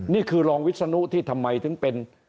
นี่คือรองวิศนุที่ทำไมถึงเป็น